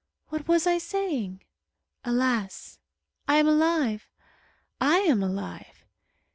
What was I saying? Alas! I am alive. I am alive.